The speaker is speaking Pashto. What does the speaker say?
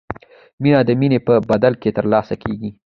مینه د مینې په بدل کې ترلاسه کیږي.